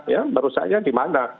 ya merusaknya di mana